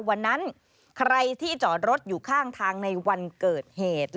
วันนั้นใครที่จอดรถอยู่ข้างทางในวันเกิดเหตุ